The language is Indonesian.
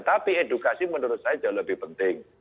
tapi edukasi menurut saya jauh lebih penting